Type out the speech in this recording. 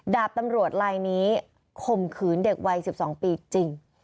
ดาบตำรวจลายนี้ข่มขืนเด็กวัย๑๒ปีจริง